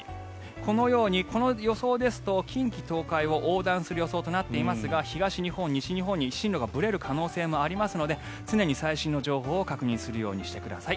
このようにこの予想ですと近畿・東海を横断する予想となっていますが東日本、西日本に進路がぶれる可能性もありますので常に最新の情報を確認するようにしてください。